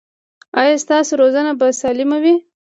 ایا ستاسو روزنه به سالمه وي؟